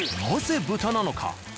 なぜ豚なのか？